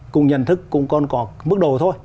cùng nhận thức cùng còn có mức độ thôi